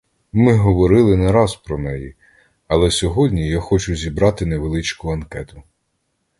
Ми говорили не раз про неї, але сьогодні я хочу зібрати невеличку анкету.